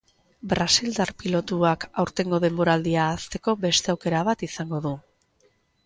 Brasildar pilotuak aurtengo denboraldia ahazteko beste aukera bat izango du.